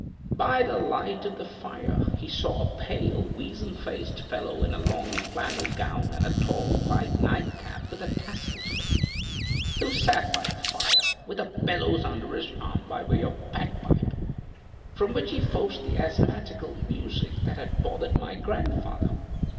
By the light of the fire he saw a pale weazen faced fellow in a long Flannel gown and a tall white night cap with a tassel to it, who sat by the fire, with a bellows under his arm by way of bagpipe, from which he forced the asthmatical music that had bothered my grandfather.